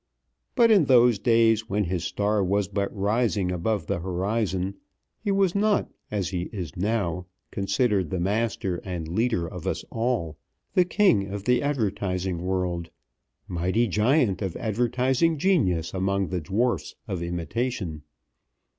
But in those days, when his star was but rising above the horizon, he was not, as he is now, considered the master and leader of us all the king of the advertising world mighty giant of advertising genius among the dwarfs of imitation.